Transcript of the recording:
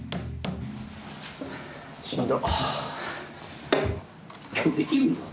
しんど。